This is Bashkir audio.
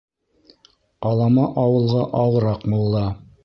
Алама ауылға аураҡ мулла.